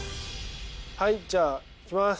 はいじゃあいきます。